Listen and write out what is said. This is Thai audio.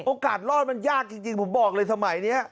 รอดมันยากจริงผมบอกเลยสมัยนี้